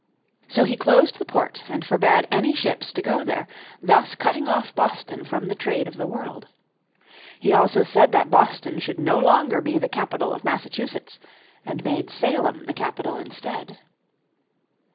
So he closed the port and forbade any ships to go there, thus cutting off Boston from the trade of the world. He also said that Boston should no longer be the capital of Massachusetts, and made Salem the capital instead.